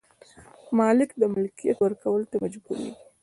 مالک د ملکیت ورکولو ته مجبوریږي.